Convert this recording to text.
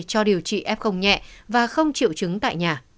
cho điều trị f nhẹ và không triệu chứng tại nhà